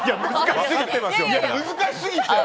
難しすぎて。